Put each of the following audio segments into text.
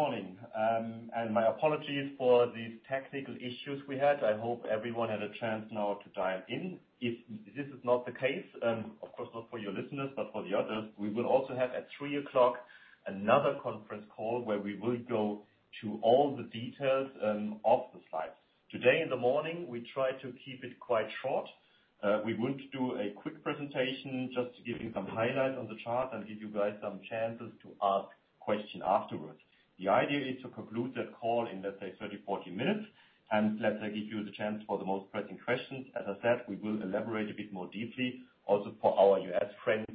Morning, and my apologies for these technical issues we had. I hope everyone had a chance now to dial in. If this is not the case, of course not for your listeners, but for the others, we will also have at 3:00 P.M. another conference call where we will go to all the details of the slides. Today in the morning, we tried to keep it quite short. We wouldn't do a quick presentation, just to give you some highlights on the chart and give you guys some chances to ask questions afterwards. The idea is to conclude that call in, let's say, 30-40 minutes, and let's say give you the chance for the most pressing questions. As I said, we will elaborate a bit more deeply, also for our U.S. friends,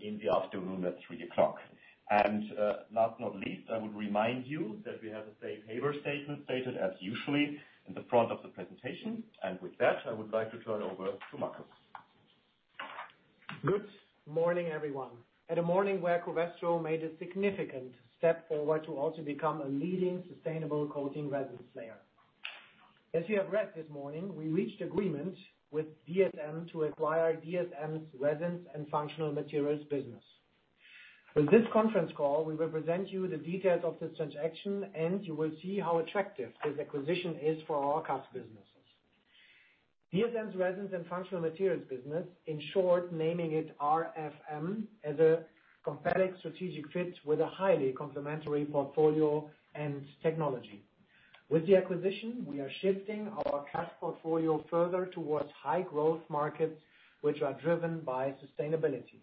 in the afternoon at 3:00 P.M. Last but not least, I would remind you that we have a safe harbor statement stated as usual in the front of the presentation. With that, I would like to turn over to Markus. Good morning, everyone. It's a morning where Covestro made a significant step forward to also become a leading sustainable coating resin player. As you have read this morning, we reached agreement with DSM to acquire DSM's resins and functional materials business. With this conference call, we will present you the details of this transaction, and you will see how attractive this acquisition is for our CAS businesses. DSM's resins and functional materials business, in short, naming it RFM, is a compelling strategic fit with a highly complementary portfolio and technology. With the acquisition, we are shifting our CAS portfolio further towards high-growth markets, which are driven by sustainability.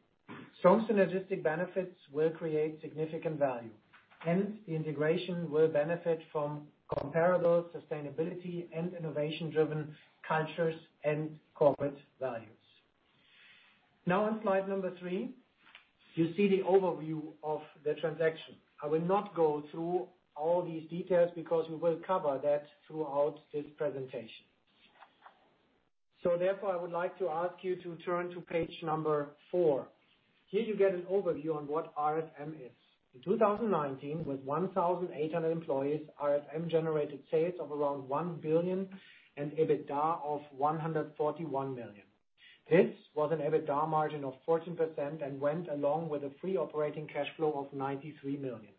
Strong synergistic benefits will create significant value, and the integration will benefit from comparable sustainability and innovation-driven cultures and corporate values. Now, on slide number three, you see the overview of the transaction. I will not go through all these details because we will cover that throughout this presentation. So therefore, I would like to ask you to turn to page number four. Here you get an overview on what RFM is. In 2019, with 1,800 employees, RFM generated sales of around 1 billion and EBITDA of 141 million. This was an EBITDA margin of 14% and went along with a free operating cash flow of 93 million.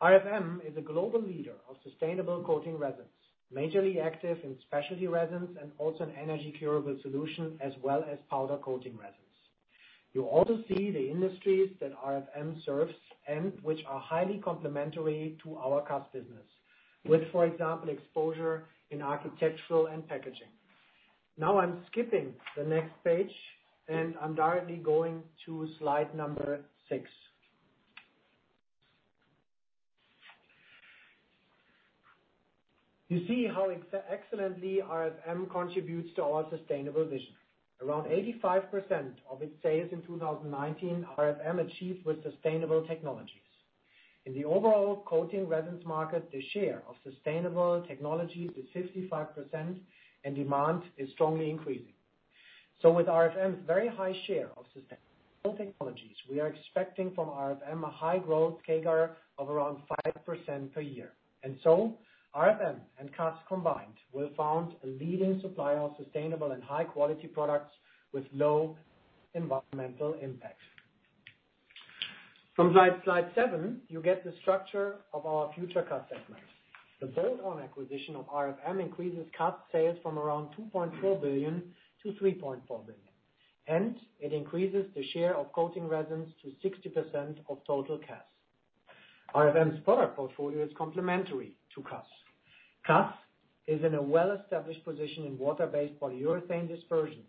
RFM is a global leader of sustainable coating resins, majorly active in specialty resins and also in energy-curable solutions, as well as powder coating resins. You also see the industries that RFM serves and which are highly complementary to our CAS business, with, for example, exposure in architectural and packaging. Now I'm skipping the next page, and I'm directly going to slide number six. You see how excellently RFM contributes to our sustainable vision. Around 85% of its sales in 2019, RFM achieved with sustainable technologies. In the overall coating resins market, the share of sustainable technology is 55%, and demand is strongly increasing. So with RFM's very high share of sustainable technologies, we are expecting from RFM a high-growth CAGR of around 5% per year. And so RFM and CAS combined will found a leading supplier of sustainable and high-quality products with low environmental impact. From slide seven, you get the structure of our future CAS segments. The bolt-on acquisition of RFM increases CAS sales from around 2.4 billion to 3.4 billion, and it increases the share of coating resins to 60% of total CAS. RFM's product portfolio is complementary to CAS. CAS is in a well-established position in water-based polyurethane dispersions.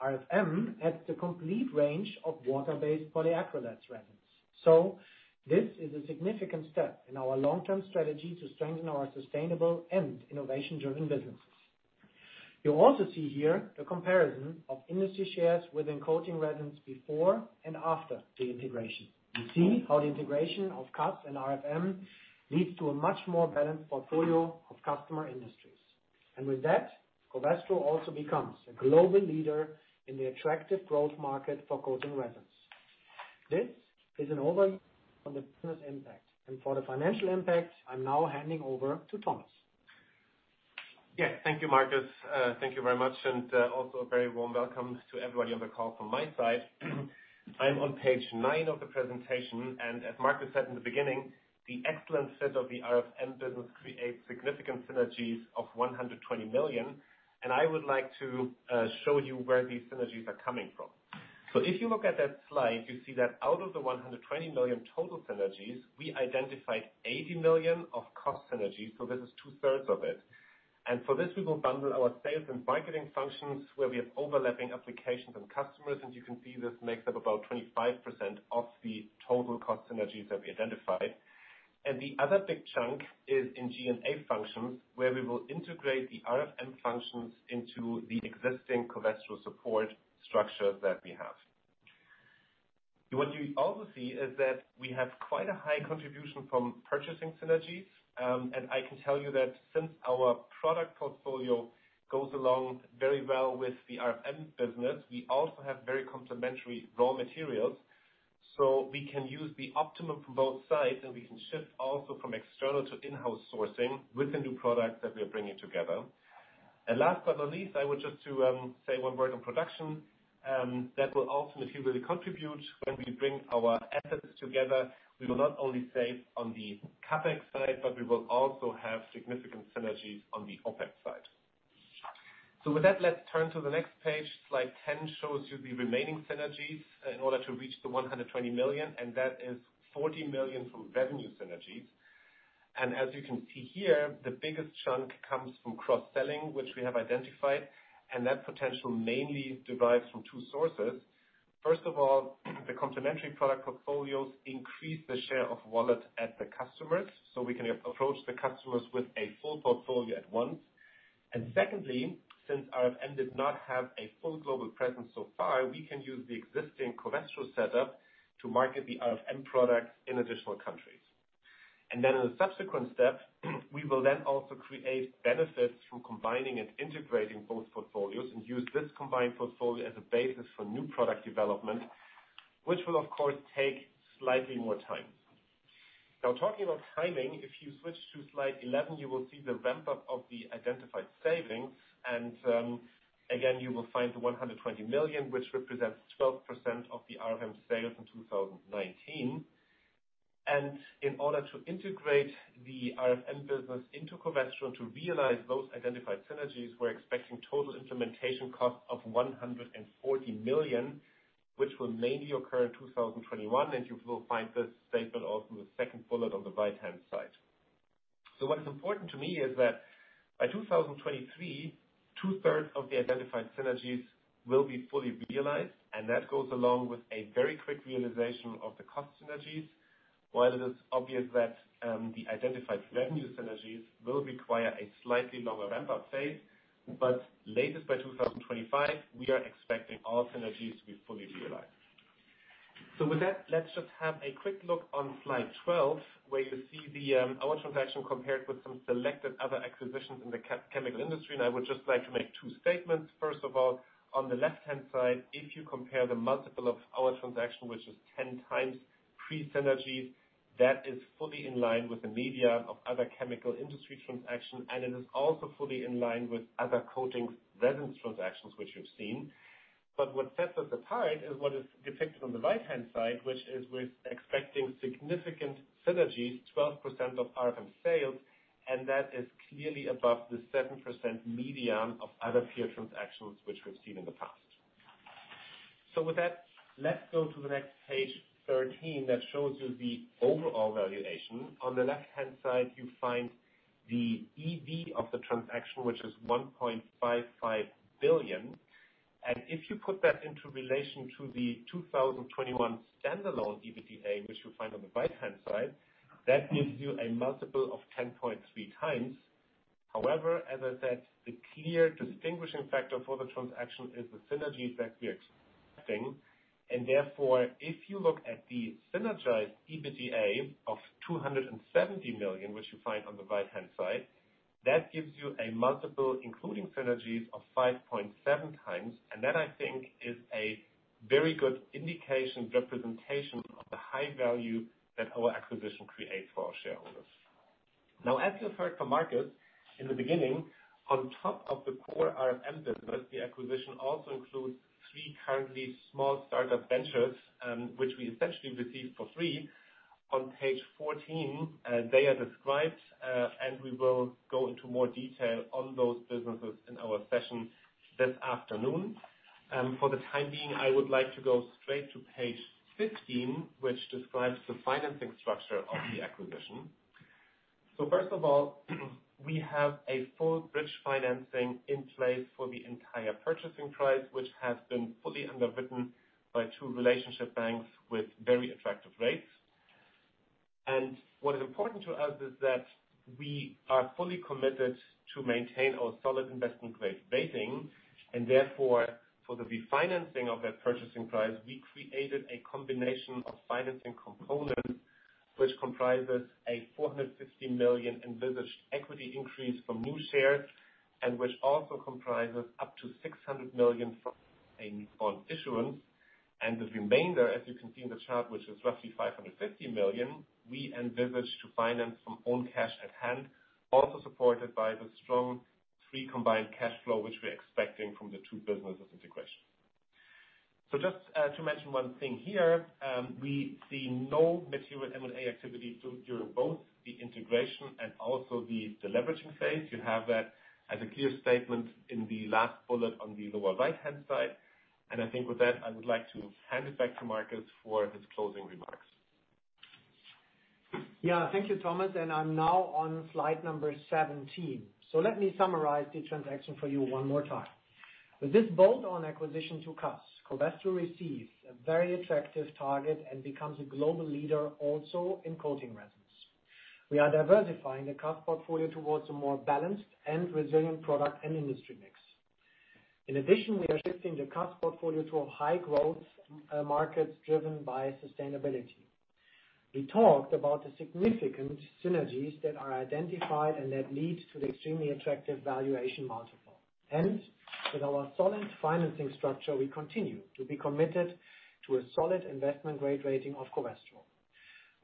RFM adds the complete range of water-based polyacrylate resins. So this is a significant step in our long-term strategy to strengthen our sustainable and innovation-driven businesses. You also see here the comparison of industry shares within coating resins before and after the integration. You see how the integration of CAS and RFM leads to a much more balanced portfolio of customer industries. And with that, Covestro also becomes a global leader in the attractive growth market for coating resins. This is an overview on the business impact. And for the financial impact, I'm now handing over to Thomas. Yes, thank you, Markus. Thank you very much, and also a very warm welcome to everybody on the call from my side. I'm on page nine of the presentation, and as Markus said in the beginning, the excellent fit of the RFM business creates significant synergies of 120 million. And I would like to show you where these synergies are coming from. So if you look at that slide, you see that out of the 120 million total synergies, we identified 80 million of cost synergies, so this is two-thirds of it. And for this, we will bundle our sales and marketing functions, where we have overlapping applications and customers, and you can see this makes up about 25% of the total cost synergies that we identified. And the other big chunk is in G&A functions, where we will integrate the RFM functions into the existing Covestro support structure that we have. What you also see is that we have quite a high contribution from purchasing synergies, and I can tell you that since our product portfolio goes along very well with the RFM business, we also have very complementary raw materials, so we can use the optimum from both sides, and we can shift also from external to in-house sourcing with the new product that we are bringing together. And last but not least, I would just, say one word on production, that will ultimately really contribute when we bring our efforts together. We will not only save on the CapEx side, but we will also have significant synergies on the OpEx side. So with that, let's turn to the next page. Slide 10 shows you the remaining synergies in order to reach the 120 million, and that is 40 million from revenue synergies. And as you can see here, the biggest chunk comes from cross-selling, which we have identified, and that potential mainly derives from two sources. First of all, the complementary product portfolios increase the share of wallet at the customers, so we can approach the customers with a full portfolio at once. And secondly, since RFM did not have a full global presence so far, we can use the existing Covestro setup to market the RFM products in additional countries. And then in a subsequent step, we will then also create benefits from combining and integrating both portfolios and use this combined portfolio as a basis for new product development, which will, of course, take slightly more time. Now, talking about timing, if you switch to slide 11, you will see the ramp-up of the identified savings, and, again, you will find the 120 million, which represents 12% of the RFM sales in 2019. And in order to integrate the RFM business into Covestro and to realize those identified synergies, we're expecting total implementation costs of 140 million, which will mainly occur in 2021, and you will find this statement also in the second bullet on the right-hand side. So what is important to me is that by 2023, two-thirds of the identified synergies will be fully realized, and that goes along with a very quick realization of the cost synergies, while it is obvious that the identified revenue synergies will require a slightly longer ramp-up phase. But latest by 2025, we are expecting all synergies to be fully realized. So with that, let's just have a quick look on slide 12, where you see our transaction compared with some selected other acquisitions in the chemical industry, and I would just like to make two statements. First of all, on the left-hand side, if you compare the multiple of our transaction, which is 10x pre-synergies, that is fully in line with the median of other chemical industry transactions, and it is also fully in line with other coatings resins transactions, which you've seen. But what sets us apart is what is depicted on the right-hand side, which is we're expecting significant synergies, 12% of RFM sales, and that is clearly above the 7% median of other peer transactions, which we've seen in the past. So with that, let's go to the next page, 13, that shows you the overall valuation. On the left-hand side, you find the EV of the transaction, which is 1.55 billion. And if you put that into relation to the 2021 standalone EBITDA, which you'll find on the right-hand side, that gives you a multiple of 10.3x. However, as I said, the clear distinguishing factor for the transaction is the synergies that we are expecting, and therefore, if you look at the synergized EBITDA of 270 million, which you find on the right-hand side, that gives you a multiple, including synergies, of 5.7x, and that, I think, is a very good indication, representation of the high value that our acquisition creates for our shareholders. Now, as you've heard from Markus in the beginning, on top of the core RFM business, the acquisition also includes three currently small startup ventures, which we essentially received for free. On page 14, they are described, and we will go into more detail on those businesses in our session this afternoon. For the time being, I would like to go straight to page 15, which describes the financing structure of the acquisition, so first of all, we have a full bridge financing in place for the entire purchase price, which has been fully underwritten by two relationship banks with very attractive rates, and what is important to us is that we are fully committed to maintain our solid investment-grade rating, and therefore, for the refinancing of that purchase price, we created a combination of financing components, which comprises a 450 million envisaged equity increase from new shares, and which also comprises up to 600 million from a bond issuance. And the remainder, as you can see in the chart, which is roughly 550 million, we envisaged to finance from own cash at hand, also supported by the strong free combined cash flow, which we're expecting from the two businesses' integration. So just, to mention one thing here, we see no material M&A activity during both the integration and also the leveraging phase. You have that as a clear statement in the last bullet on the lower right-hand side. And I think with that, I would like to hand it back to Markus for his closing remarks. Yeah, thank you, Thomas, and I'm now on slide number 17. So let me summarize the transaction for you one more time. With this bolt-on acquisition to CAS, Covestro receives a very attractive target and becomes a global leader, also in coating resins. We are diversifying the CAS portfolio towards a more balanced and resilient product and industry mix. In addition, we are shifting the CAS portfolio to a high-growth, market driven by sustainability. We talked about the significant synergies that are identified and that lead to the extremely attractive valuation multiple, and with our solid financing structure, we continue to be committed to a solid investment-grade rating of Covestro.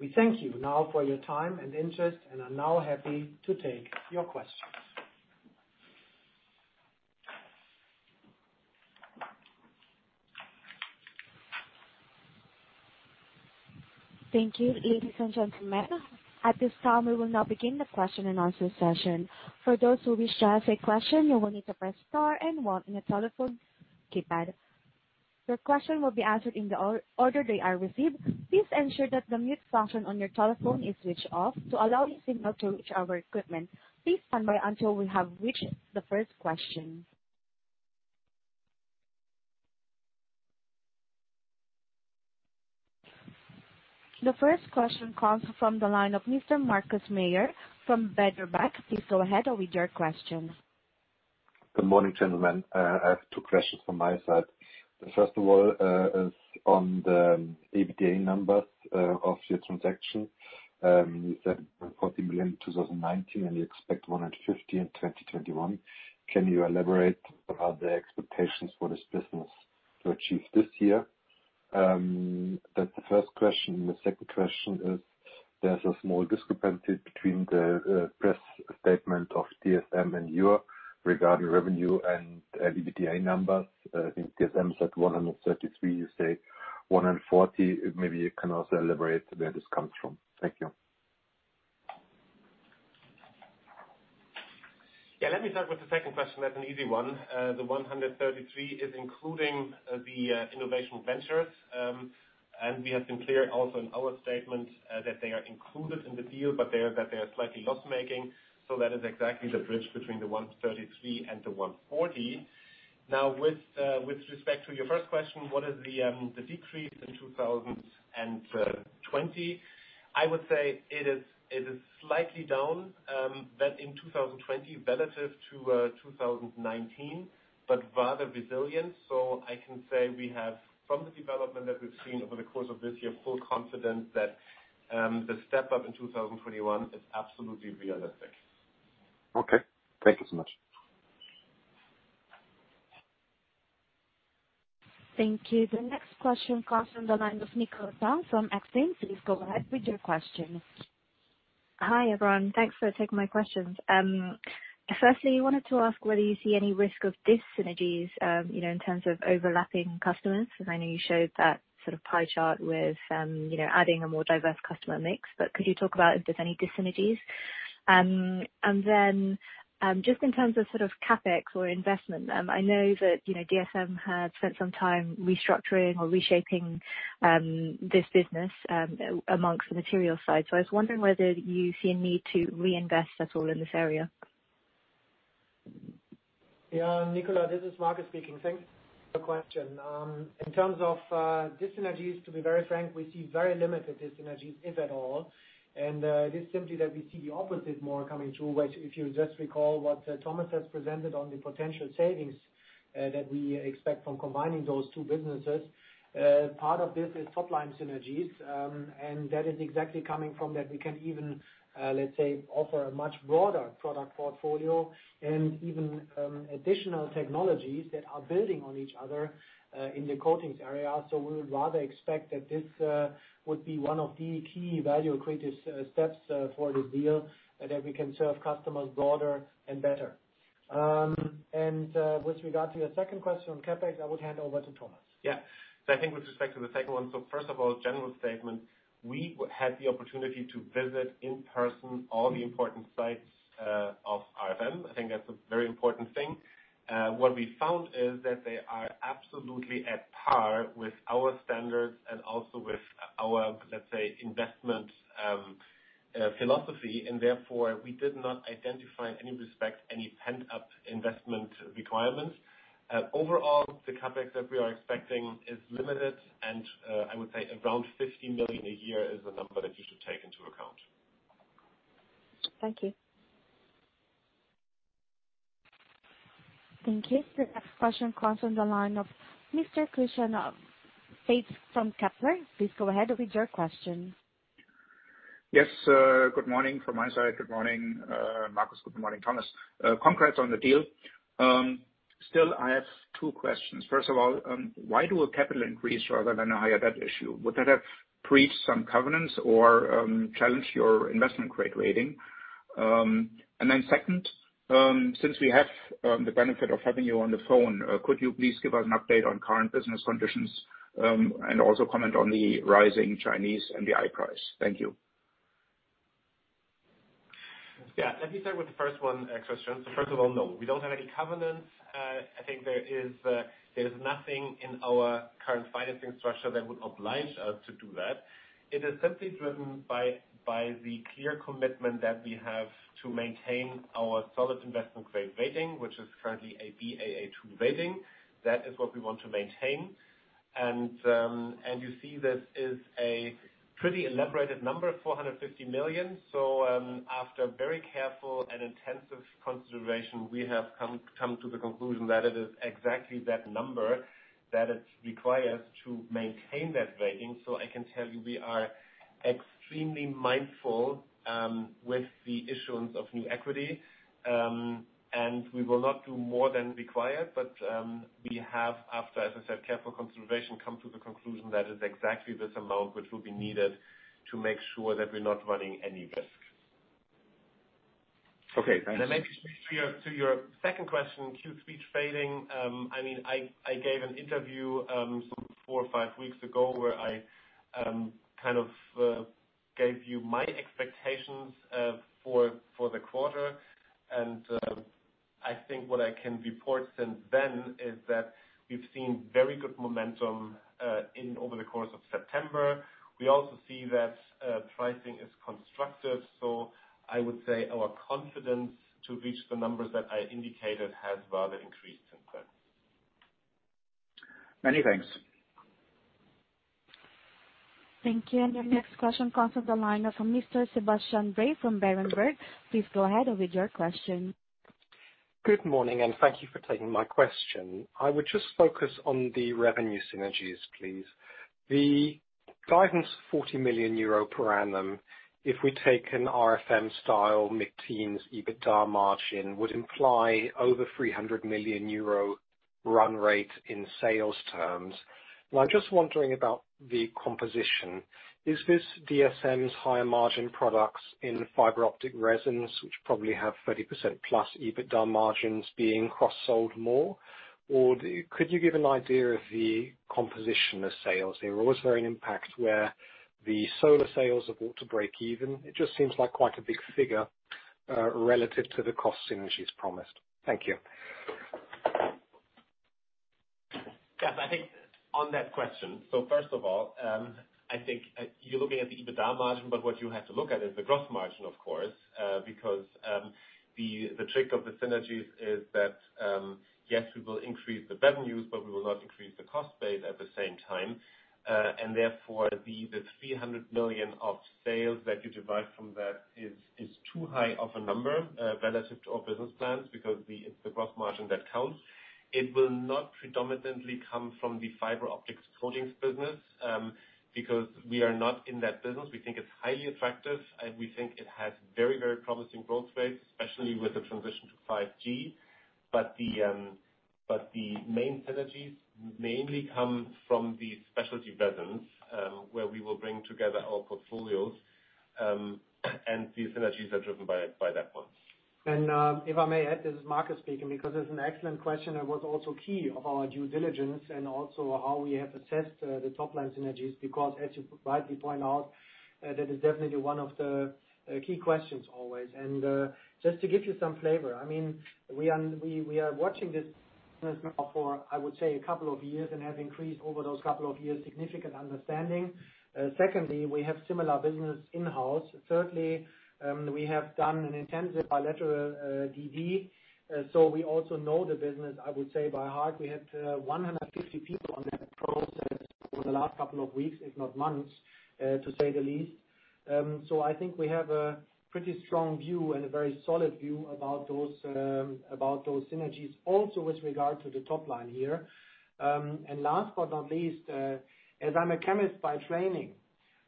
We thank you now for your time and interest, and I'm now happy to take your questions. Thank you, ladies and gentlemen. At this time, we will now begin the question and answer session. For those who wish to ask a question, you will need to press star and 1 on your telephone keypad. Your question will be answered in the order they are received. Please ensure that the mute function on your telephone is switched off to allow your signal to reach our equipment. Please stand by until we have reached the first question. The first question comes from the line of Mr. Markus Mayer from Baader Bank. Please go ahead with your question. Good morning, gentlemen. I have two questions from my side. The first of all is on the EBITDA numbers of your transaction. You said 140 million in 2019, and you expect 150 million in 2021. Can you elaborate on the expectations for this business to achieve this year? That's the first question, and the second question is there's a small discrepancy between the press statement of DSM and you regarding revenue and EBITDA numbers. I think DSM is at 133 million, you say 140 million. Maybe you can also elaborate where this comes from. Thank you. Yeah, let me start with the second question. That's an easy one. The 133 million is including the innovation ventures. And we have been clear also in our statement that they are included in the deal, but they are slightly loss-making. So that is exactly the bridge between the 133 million and the 140 million. Now, with respect to your first question, what is the decrease in 2020? I would say it is slightly down than in 2020 relative to 2019, but rather resilient. So I can say we have from the development that we've seen over the course of this year full confidence that the step-up in 2021 is absolutely realistic. Okay. Thank you so much. Thank you. The next question comes from the line of Nikola from Exane. Please go ahead with your question. Hi, everyone. Thanks for taking my questions. Firstly, I wanted to ask whether you see any risk of dissynergies, you know, in terms of overlapping customers, because I know you showed that sort of pie chart with, you know, adding a more diverse customer mix, but could you talk about if there's any dissynergies, and then, just in terms of sort of CapEx or investment, I know that, you know, DSM had spent some time restructuring or reshaping this business, among the materials side. So I was wondering whether you see a need to reinvest at all in this area. Yeah, Nikola, this is Markus speaking. Thanks for the question. In terms of dissynergies, to be very frank, we see very limited dissynergies, if at all. It is simply that we see the opposite more coming through, which, if you just recall what Thomas has presented on the potential savings that we expect from combining those two businesses. Part of this is top-line synergies, and that is exactly coming from that we can even, let's say, offer a much broader product portfolio and even additional technologies that are building on each other in the coatings area. So we would rather expect that this would be one of the key value creative steps for this deal, that we can serve customers broader and better. With regard to your second question on CapEx, I would hand over to Thomas. Yeah. So I think with respect to the second one, so first of all, general statement, we had the opportunity to visit in person all the important sites of RFM. I think that's a very important thing. What we found is that they are absolutely at par with our standards and also with our, let's say, investment philosophy, and therefore we did not identify, in any respect, any pent-up investment requirements. Overall, the CapEx that we are expecting is limited, and I would say around 50 million a year is a number that you should take into account. Thank you. Thank you. The next question comes from the line of Mr. Christian Faitz from Kepler. Please go ahead with your question. Yes, good morning from my side. Good morning, Markus. Good morning, Thomas. Congrats on the deal. Still, I have two questions. First of all, why do a capital increase rather than a higher debt issue? Would that have breached some covenants or challenged your investment-grade rating? And then second, since we have the benefit of having you on the phone, could you please give us an update on current business conditions, and also comment on the rising Chinese MDI price? Thank you. Yeah, let me start with the first one, question. So first of all, no, we don't have any covenants. I think there's nothing in our current financing structure that would oblige us to do that. It is simply driven by the clear commitment that we have to maintain our solid investment-grade rating, which is currently a Baa2 rating. That is what we want to maintain. And you see this is a pretty elaborate number, 450 million. So after very careful and intensive consideration, we have come to the conclusion that it is exactly that number that it requires to maintain that rating. So I can tell you we are extremely mindful with the issuance of new equity, and we will not do more than required. But we have, after, as I said, careful consideration, come to the conclusion that it's exactly this amount which will be needed to make sure that we're not running any risk. Okay. Thank you. And then maybe to your second question, Q3 trading. I mean, I gave an interview some four or five weeks ago where I kind of gave you my expectations for the quarter. And I think what I can report since then is that we've seen very good momentum over the course of September. We also see that pricing is constructive. So I would say our confidence to reach the numbers that I indicated has rather increased since then. Many thanks. Thank you. And your next question comes from the line of Mr. Sebastian Bray from Berenberg. Please go ahead with your question. Good morning, and thank you for taking my question. I would just focus on the revenue synergies, please. The guidance of 40 million euro per annum, if we take an RFM-style mid-teens EBITDA margin, would imply over 300 million euro run rate in sales terms. And I'm just wondering about the composition. Is this DSM's higher margin products in fiber optic resins, which probably have 30%+ EBITDA margins, being cross-sold more? Or could you give an idea of the composition of sales? There was very little impact where the solar sales have got to break even. It just seems like quite a big figure, relative to the cost synergies promised. Thank you. Yes, I think on that question, so first of all, I think you're looking at the EBITDA margin, but what you have to look at is the gross margin, of course, because the trick of the synergies is that, yes, we will increase the revenues, but we will not increase the cost base at the same time, and therefore, the 300 million of sales that you derive from that is too high of a number, relative to our business plans because the gross margin that counts. It will not predominantly come from the fiber optics coatings business, because we are not in that business. We think it's highly attractive, and we think it has very, very promising growth rates, especially with the transition to 5G. The main synergies mainly come from the specialty resins, where we will bring together our portfolios, and the synergies are driven by that one. If I may add, this is Markus speaking because it's an excellent question that was also key of our due diligence and also how we have assessed the top-line synergies, because as you rightly point out, that is definitely one of the key questions always. Just to give you some flavor, I mean, we are watching this business now for, I would say, a couple of years and have increased over those couple of years significant understanding. Secondly, we have similar business in-house. Thirdly, we have done an intensive bilateral DD. So we also know the business, I would say, by heart. We had 150 people on that process over the last couple of weeks, if not months, to say the least. So I think we have a pretty strong view and a very solid view about those, about those synergies, also with regard to the top-line here, and last but not least, as I'm a chemist by training,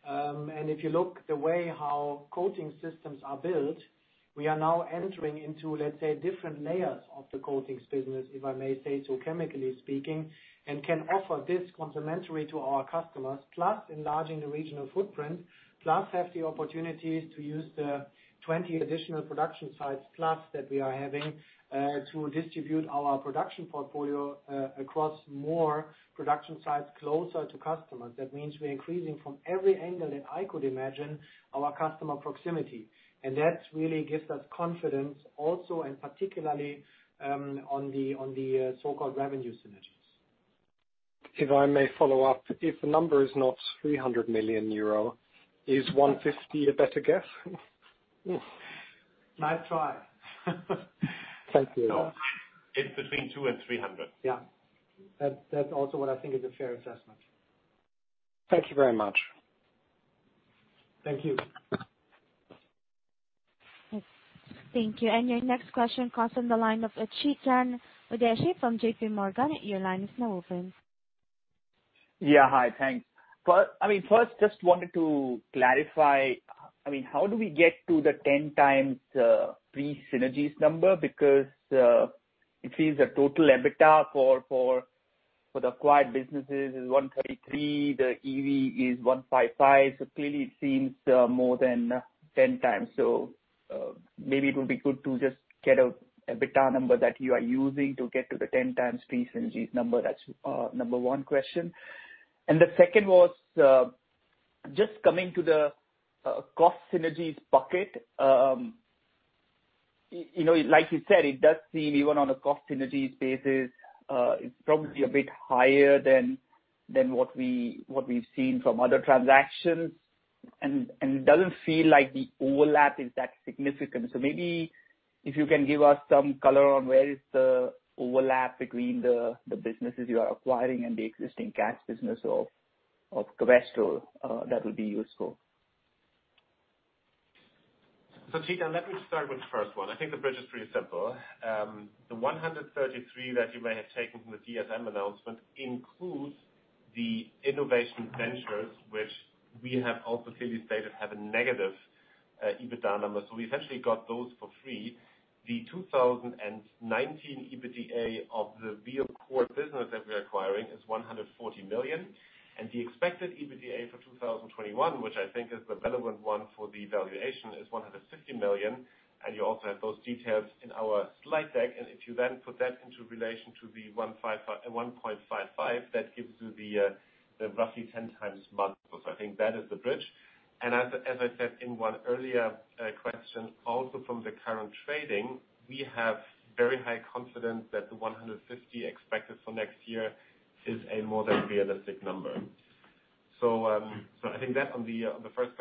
and if you look the way how coating systems are built, we are now entering into, let's say, different layers of the coatings business, if I may say so, chemically speaking, and can offer this complementary to our customers, plus enlarging the regional footprint, plus have the opportunities to use the 20 additional production sites plus that we are having, to distribute our production portfolio, across more production sites closer to customers. That means we're increasing from every angle that I could imagine our customer proximity. And that really gives us confidence also, and particularly, on the, on the, so-called revenue synergies. If I may follow up, if the number is not 300 million euro, is 150 million a better guess? Nice try. Thank you. So it's between two and 300 million. Yeah. That's, that's also what I think is a fair assessment. Thank you very much. Thank you. Thank you. And your next question comes from the line of Chetan Udeshi from J.P. Morgan. Your line is now open. Yeah, hi. Thanks. But I mean, first, just wanted to clarify, I mean, how do we get to the 10 times, pre-synergies number? Because it seems the total EBITDA for the acquired businesses is 133. The EV is 155. So clearly, it seems more than 10x. So maybe it would be good to just get an EBITDA number that you are using to get to the 10x pre-synergies number. That's number one question. And the second was, just coming to the cost synergies bucket, you know, like you said, it does seem even on a cost synergies basis, it's probably a bit higher than what we've seen from other transactions. And it doesn't feel like the overlap is that significant. Maybe if you can give us some color on where is the overlap between the businesses you are acquiring and the existing cash business of Covestro, that would be useful. Chetan, let me start with the first one. I think the bridge is pretty simple. The 133 million that you may have taken from the DSM announcement includes the innovation ventures, which we have also clearly stated have a negative EBITDA number. So we essentially got those for free. The 2019 EBITDA of the core business that we're acquiring is 140 million. And the expected EBITDA for 2021, which I think is the relevant one for the valuation, is 150 million. And you also have those details in our slide deck. And if you then put that into relation to the 1.55, that gives you the roughly 10x multiple. So I think that is the bridge. And as I said in one earlier question, also from the current trading, we have very high confidence that the 150 million expected for next year is a more than realistic number. So I think that on the first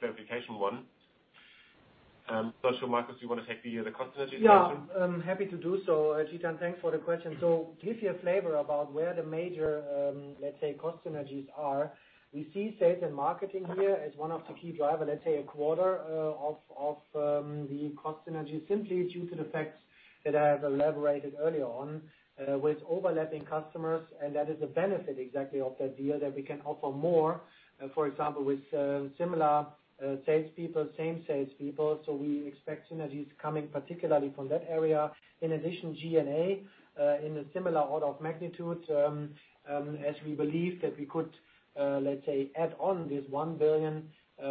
clarification one, not sure, Markus, do you want to take the cost synergies question? Yeah, I'm happy to do so, Chetan. Thanks for the question. So to give you a flavor about where the major, let's say, cost synergies are, we see sales and marketing here as one of the key driver, let's say, a quarter of the cost synergies, simply due to the facts that I have elaborated earlier on, with overlapping customers. And that is the benefit exactly of that deal that we can offer more, for example, with similar salespeople, same salespeople. So we expect synergies coming particularly from that area. In addition, G&A, in a similar order of magnitude, as we believe that we could, let's say, add on this 1 billion,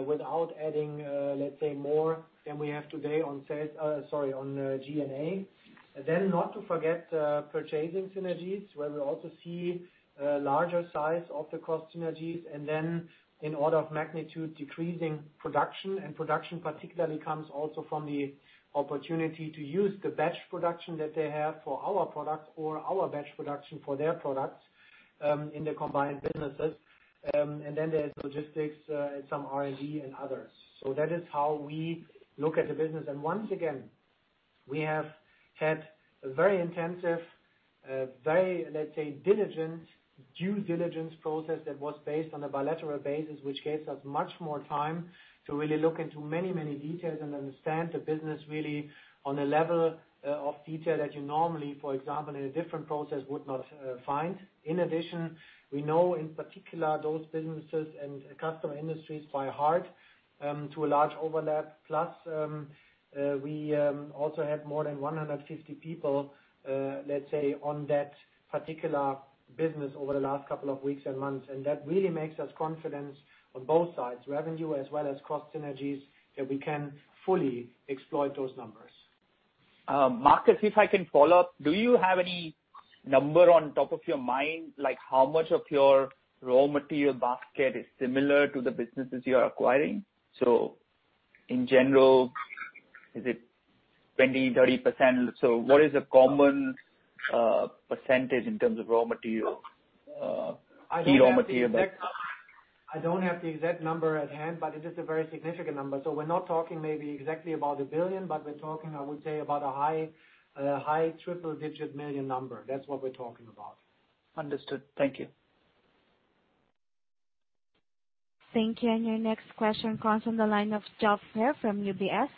without adding, let's say, more than we have today on sales, sorry, on G&A. And then not to forget, purchasing synergies, where we also see larger size of the cost synergies. And then, in order of magnitude, decreasing production. Production particularly comes also from the opportunity to use the batch production that they have for our products or our batch production for their products in the combined businesses. And then there's logistics, and some R&D and others. So that is how we look at the business. And once again, we have had a very intensive, very, let's say, diligent due diligence process that was based on a bilateral basis, which gave us much more time to really look into many, many details and understand the business really on a level of detail that you normally, for example, in a different process would not find. In addition, we know in particular those businesses and customer industries by heart, to a large overlap. Plus, we also had more than 150 people, let's say, on that particular business over the last couple of weeks and months, and that really makes us confident on both sides, revenue as well as cost synergies, that we can fully exploit those numbers. Markus, if I can follow up, do you have any number on top of your mind, like how much of your raw material basket is similar to the businesses you are acquiring? So in general, is it 20%, 30%? So what is a common percentage in terms of raw material, key raw material? I don't have the exact number. I don't have the exact number at hand, but it is a very significant number. So we're not talking maybe exactly about a billion, but we're talking, I would say, about a high, high triple-digit million number. That's what we're talking about. Understood. Thank you. Thank you. And your next question comes from the line of Geoff Haire from UBS.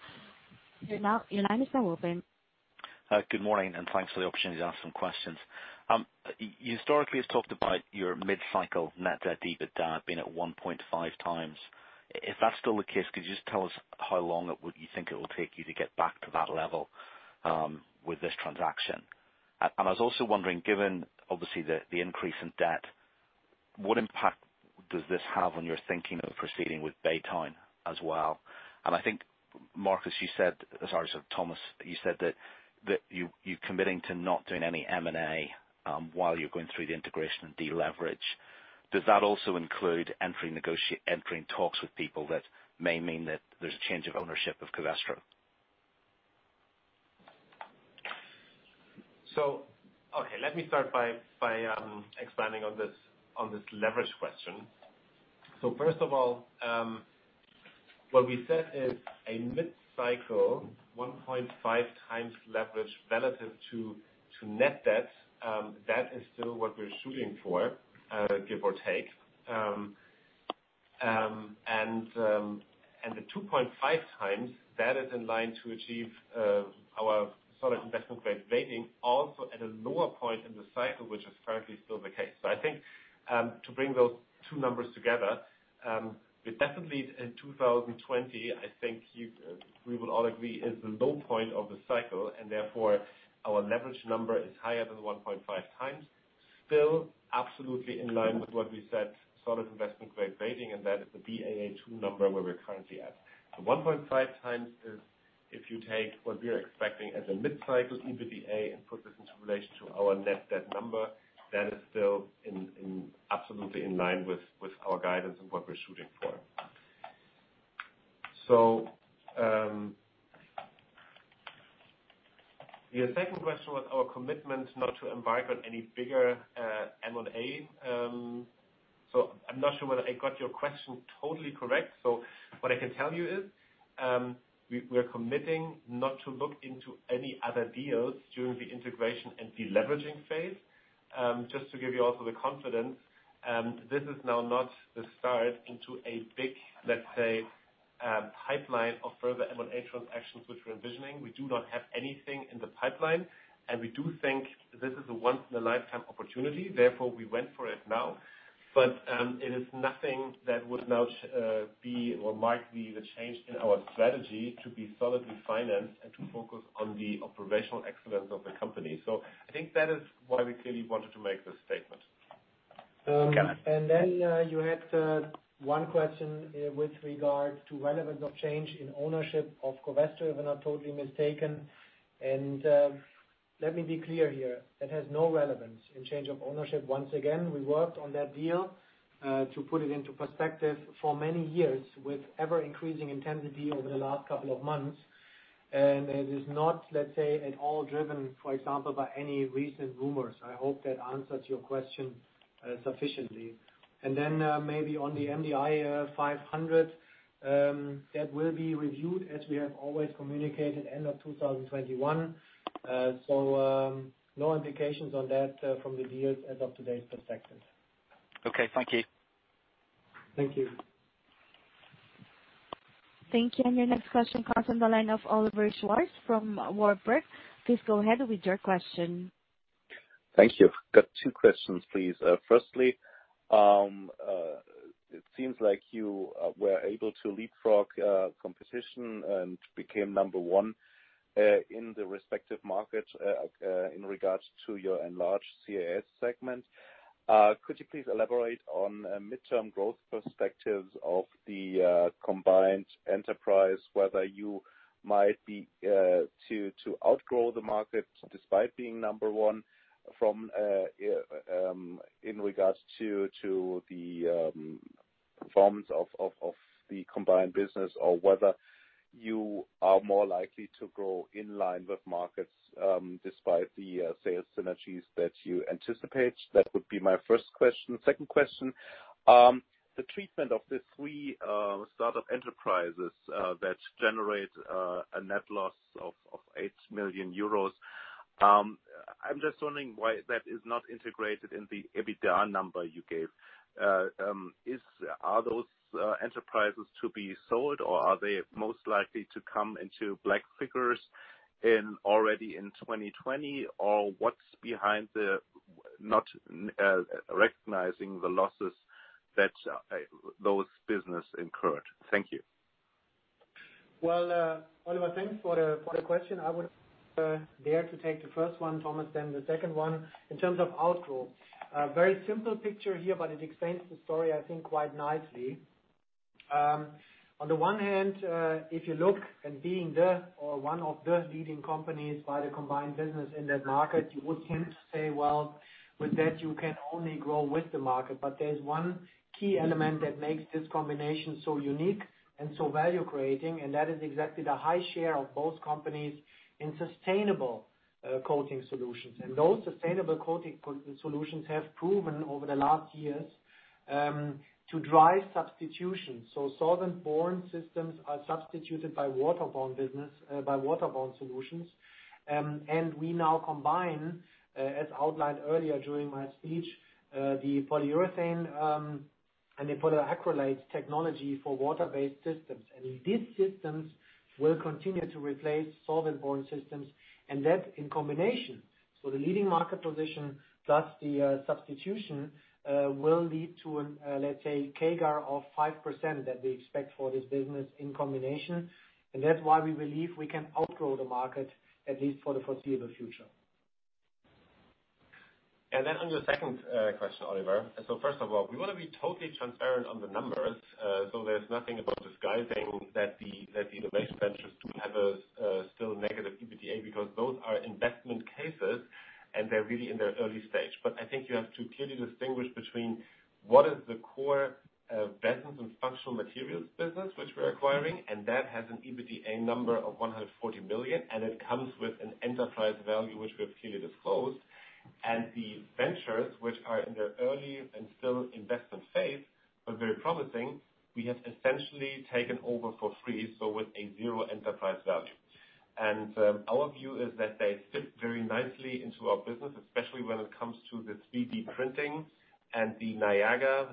Your line is now open. Good morning, and thanks for the opportunity to ask some questions. You historically have talked about your mid-cycle net debt/EBITDA being at 1.5x. If that's still the case, could you just tell us how long it would you think it will take you to get back to that level, with this transaction? And I was also wondering, given obviously the increase in debt, what impact does this have on your thinking of proceeding with Baytown as well? And I think, Markus, you said, sorry, sorry, Thomas, you said that you, you're committing to not doing any M&A, while you're going through the integration and deleverage. Does that also include entering negotiations with people that may mean that there's a change of ownership of Covestro? So, okay, let me start by expanding on this leverage question. So first of all, what we said is a mid-cycle 1.5x leverage relative to net debt, that is still what we're shooting for, give or take. And the 2.5x, that is in line to achieve our solid investment-grade rating also at a lower point in the cycle, which is currently still the case. So I think, to bring those two numbers together, we definitely in 2020, I think we would all agree is the low point of the cycle. And therefore, our leverage number is higher than 1.5x, still absolutely in line with what we said, solid investment-grade rating, and that is the Baa2 number where we're currently at. 1.5x is, if you take what we're expecting as a mid-cycle EBITDA and put this into relation to our net debt number, that is still absolutely in line with our guidance and what we're shooting for. Your second question was our commitment not to embark on any bigger M&A. I'm not sure whether I got your question totally correct. What I can tell you is, we're committing not to look into any other deals during the integration and deleveraging phase. Just to give you also the confidence, this is now not the start into a big, let's say, pipeline of further M&A transactions, which we're envisioning. We do not have anything in the pipeline, and we do think this is a once-in-a-lifetime opportunity. Therefore, we went for it now. But it is nothing that would now be or mark the change in our strategy to be solidly financed and to focus on the operational excellence of the company. So I think that is why we clearly wanted to make this statement. And then, you had one question with regard to relevance of change in ownership of Covestro, if I'm not totally mistaken. Let me be clear here. That has no relevance in change of ownership. Once again, we worked on that deal to put it into perspective for many years with ever-increasing intensity over the last couple of months. And it is not, let's say, at all driven, for example, by any recent rumors. I hope that answers your question sufficiently. And then, maybe on the MDI 500, that will be reviewed as we have always communicated, end of 2021. So, no implications on that from the deals as of today's perspective. Okay. Thank you. Thank you. Thank you. And your next question comes from the line of Oliver Schwarz from Warburg. Please go ahead with your question. Thank you. Got two questions, please. Firstly, it seems like you were able to leapfrog competition and became number one in the respective markets in regards to your enlarged CAS segment. Could you please elaborate on mid-term growth perspectives of the combined enterprise, whether you might be to outgrow the market despite being number one in regards to the performance of the combined business, or whether you are more likely to grow in line with markets despite the sales synergies that you anticipate? That would be my first question. Second question, the treatment of the three startup enterprises that generate a net loss of 8 million euros. I'm just wondering why that is not integrated in the EBITDA number you gave. Are those enterprises to be sold, or are they most likely to come into black figures already in 2020, or what's behind the not recognizing the losses that those businesses incurred? Thank you. Oliver, thanks for the, for the question. I would dare to take the first one, Thomas, then the second one in terms of outgrowth. Very simple picture here, but it explains the story, I think, quite nicely. On the one hand, if you look and being the or one of the leading companies by the combined business in that market, you would tend to say, well, with that, you can only grow with the market. But there's one key element that makes this combination so unique and so value-creating, and that is exactly the high share of both companies in sustainable coating solutions. Those sustainable coating solutions have proven over the last years to drive substitution. So solvent-borne systems are substituted by waterborne business, by waterborne solutions, and we now combine, as outlined earlier during my speech, the polyurethane and the polyacrylate technology for water-based systems. These systems will continue to replace solvent-borne systems. That in combination, so the leading market position plus the substitution, will lead to a, let's say, CAGR of 5% that we expect for this business in combination. That's why we believe we can outgrow the market, at least for the foreseeable future. And then on your second question, Oliver, so first of all, we want to be totally transparent on the numbers, so there's nothing about disguising that the innovation ventures do have a still negative EBITDA because those are investment cases, and they're really in their early stage. But I think you have to clearly distinguish between what is the core Resins and Functional Materials business, which we're acquiring, and that has an EBITDA number of 140 million, and it comes with an enterprise value, which we have clearly disclosed. And the ventures, which are in their early and still investment phase, but very promising, we have essentially taken over for free, so with a zero enterprise value. Our view is that they fit very nicely into our business, especially when it comes to the 3D printing and the Niaga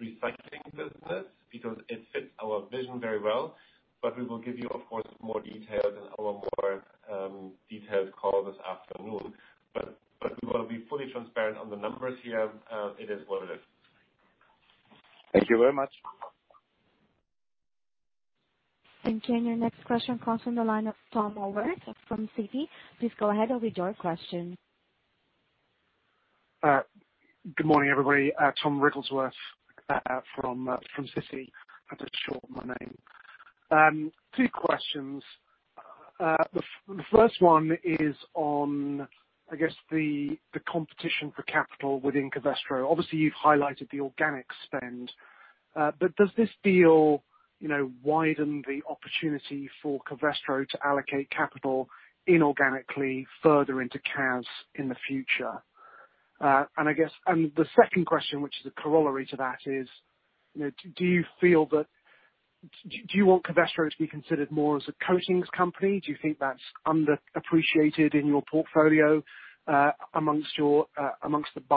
recycling business, because it fits our vision very well. But we will give you, of course, more details in our more detailed call this afternoon. But we want to be fully transparent on the numbers here. It is what it is. Thank you very much. Thank you. And your next question comes from the line of Tom Wrigglesworth from Citi. Please go ahead with your question. Good morning, everybody. Tom Wrigglesworth, from Citi. I just shortened my name. Two questions. The first one is on, I guess, the competition for capital within Covestro. Obviously, you've highlighted the organic spend. But does this deal, you know, widen the opportunity for Covestro to allocate capital inorganically further into CAS in the future? And I guess, and the second question, which is a corollary to that, is, you know, do you feel that do you want Covestro to be considered more as a coatings company? Do you think that's underappreciated in your portfolio, by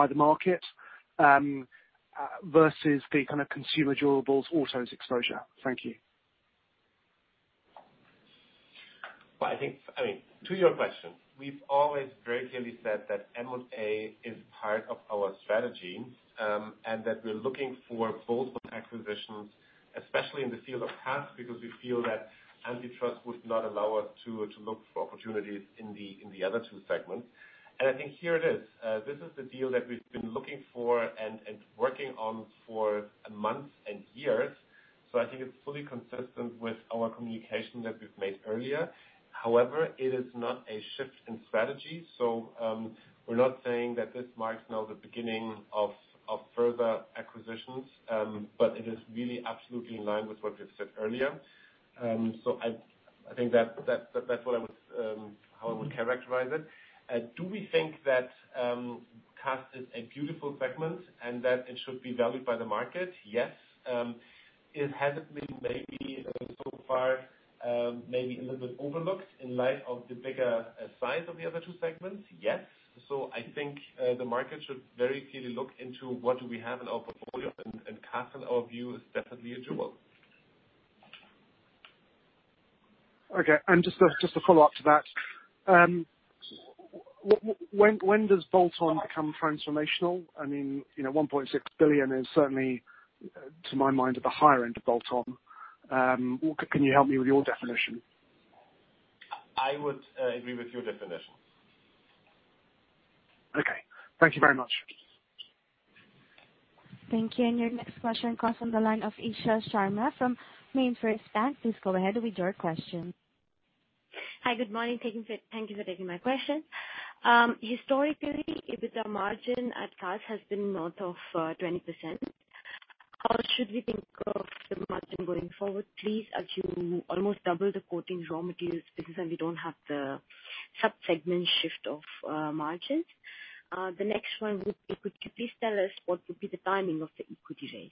the market, versus the kind of consumer durables autos exposure? Thank you. I think, I mean, to your question, we've always very clearly said that M&A is part of our strategy, and that we're looking for both acquisitions, especially in the field of CAS, because we feel that antitrust would not allow us to look for opportunities in the other two segments. I think here it is. This is the deal that we've been looking for and working on for months and years. I think it's fully consistent with our communication that we've made earlier. However, it is not a shift in strategy. We're not saying that this marks now the beginning of further acquisitions, but it is really absolutely in line with what we've said earlier. I think that that's what I would, how I would characterize it. Do we think that CAS is a beautiful segment and that it should be valued by the market? Yes. It hasn't been maybe so far, maybe a little bit overlooked in light of the bigger size of the other two segments? Yes. So I think the market should very clearly look into what we have in our portfolio, and CAS, in our view, is definitely a jewel. Okay. Just a follow-up to that. When does bolt-on become transformational? I mean, you know, 1.6 billion is certainly, to my mind, at the higher end of bolt-on. Can you help me with your definition? I would agree with your definition. Okay. Thank you very much. Thank you. And your next question comes from the line of Isha Sharma from MainFirst Bank. Please go ahead with your question. Hi, good morning. Thank you for, thank you for taking my question. Historically, EBITDA margin at CAS has been north of 20%. How should we think of the margin going forward, please, as you almost double the coating raw materials business, and we don't have the subsegment shift of margins? The next one would be, could you please tell us what would be the timing of the equity raise?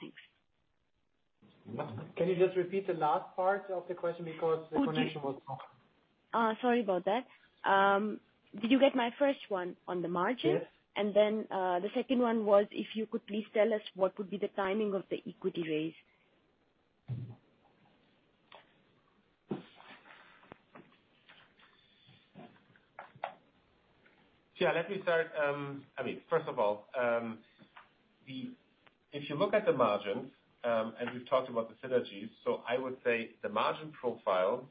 Thanks. Can you just repeat the last part of the question because the connection was? Sorry about that. Did you get my first one on the margin? Yes. And then, the second one was, if you could please tell us what would be the timing of the equity raise? Yeah. Let me start. I mean, first of all, the if you look at the margins, as we've talked about the synergies, so I would say the margin profile,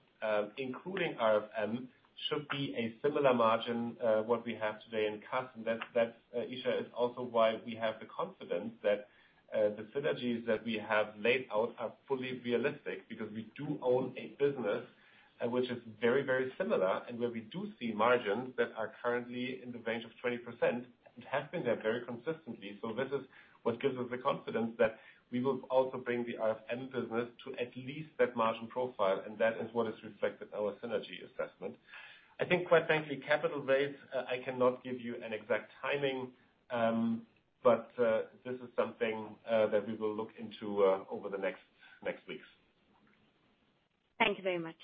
including RFM, should be a similar margin, what we have today in CAS. And that's, Isha, is also why we have the confidence that the synergies that we have laid out are fully realistic because we do own a business, which is very, very similar, and where we do see margins that are currently in the range of 20% and have been there very consistently. So this is what gives us the confidence that we will also bring the RFM business to at least that margin profile. And that is what is reflected in our synergy assessment. I think, quite frankly, capital raise, I cannot give you an exact timing, but this is something that we will look into over the next weeks. Thank you very much.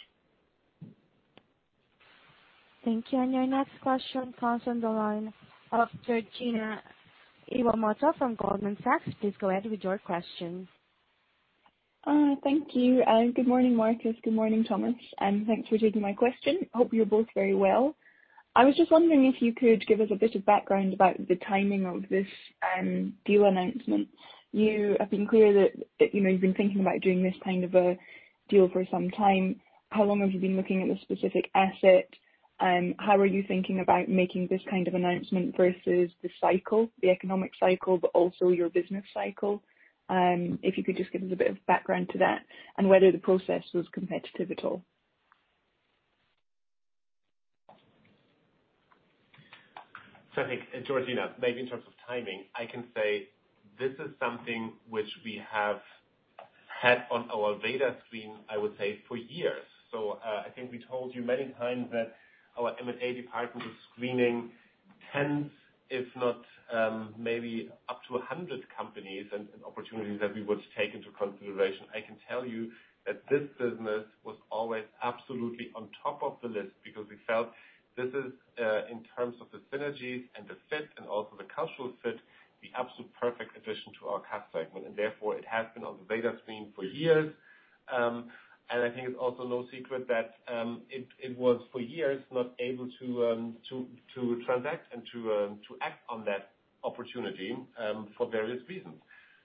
Thank you. And your next question comes from the line of Georgina Iwamoto from Goldman Sachs. Please go ahead with your question. Thank you. Good morning, Markus. Good morning, Thomas. And thanks for taking my question. Hope you're both very well. I was just wondering if you could give us a bit of background about the timing of this deal announcement. You have been clear that, you know, you've been thinking about doing this kind of a deal for some time. How long have you been looking at the specific asset? How are you thinking about making this kind of announcement versus the cycle, the economic cycle, but also your business cycle? If you could just give us a bit of background to that and whether the process was competitive at all. I think, Georgina, maybe in terms of timing, I can say this is something which we have had on our data screen, I would say, for years. I think we told you many times that our M&A department is screening tens, if not, maybe up to 100 companies and opportunities that we would take into consideration. I can tell you that this business was always absolutely on top of the list because we felt this is, in terms of the synergies and the fit and also the cultural fit, the absolute perfect addition to our CAS segment, and therefore it has been on the data screen for years, and I think it's also no secret that it was for years not able to transact and to act on that opportunity, for various reasons.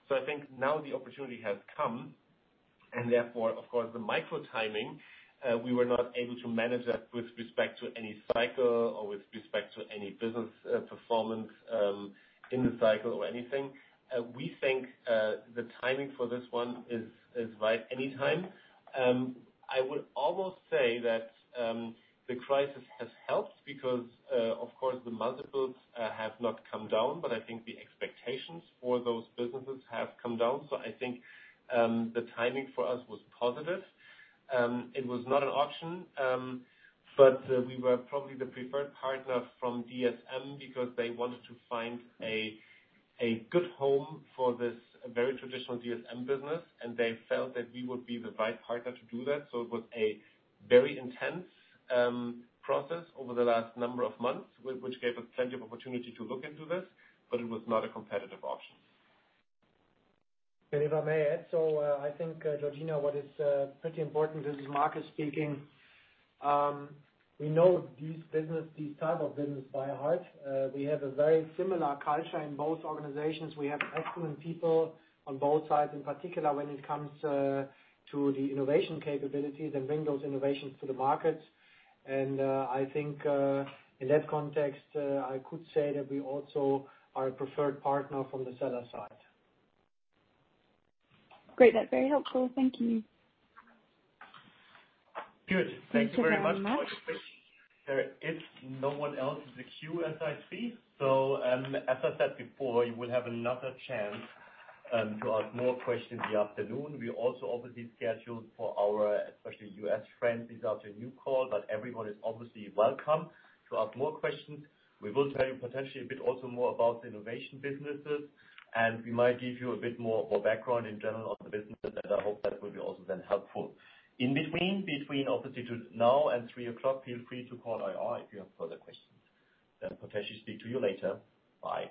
So I think now the opportunity has come, and therefore, of course, the micro timing, we were not able to manage that with respect to any cycle or with respect to any business performance in the cycle or anything. We think the timing for this one is right anytime. I would almost say that the crisis has helped because, of course, the multiples have not come down, but I think the expectations for those businesses have come down. So I think the timing for us was positive. It was not an option, but we were probably the preferred partner from DSM because they wanted to find a good home for this very traditional DSM business, and they felt that we would be the right partner to do that. So it was a very intense process over the last number of months, which gave us plenty of opportunity to look into this, but it was not a competitive option. If I may add, I think, Georgina, what's pretty important. This is Markus speaking. We know these businesses, these types of businesses by heart. We have a very similar culture in both organizations. We have excellent people on both sides, in particular when it comes to the innovation capabilities and bring those innovations to the markets. I think in that context I could say that we also are a preferred partner from the seller side. Great. That's very helpful. Thank you. Good. Thank you very much. There is no one else in the queue, as I see. So, as I said before, you will have another chance to ask more questions this afternoon. We also obviously scheduled for our, especially U.S. friends, these are the new call, but everyone is obviously welcome to ask more questions. We will tell you potentially a bit also more about the innovation businesses, and we might give you a bit more, more background in general on the business, and I hope that will be also then helpful. In between, between obviously to now and 3:00 P.M., feel free to call IR if you have further questions. Then potentially speak to you later. Bye.